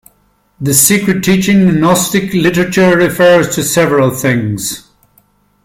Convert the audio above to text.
The secret teaching in Gnostic literature refers to several things.